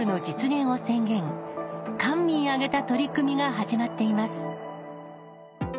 官民挙げた取り組みが始まっています。